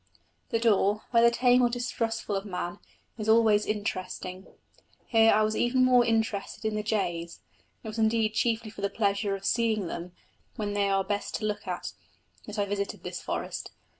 The daw, whether tame or distrustful of man, is always interesting. Here I was even more interested in the jays, and it was indeed chiefly for the pleasure of seeing them, when they are best to look at, that I visited this forest.